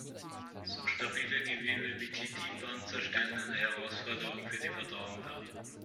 So stabile Gewebe wie Chitinpanzer stellen eine Herausforderung für die Verdauung dar.